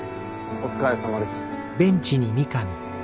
お疲れさまです。